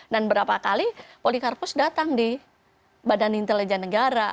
dan berapa kali polikarpus datang di badan intelijen negara